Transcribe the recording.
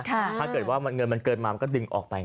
ถ้าเกิดว่าเงินมันเกินมามันก็ดึงออกไป